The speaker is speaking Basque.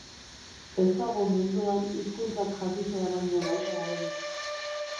Ez dago munduan hizkuntzak jakitea baino gauza hoberik.